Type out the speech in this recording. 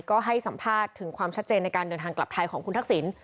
ก็ให้สัมภาษณ์ถึงความชัดเจนในการเดินทางกลับไทยของคุณทักษิณ